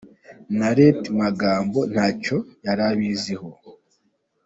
Na Lt Magambo ntacyo yari abiziho.